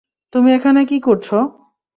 তুমি এখানে কি করছো?